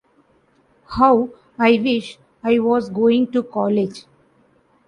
How I wish I was going to college!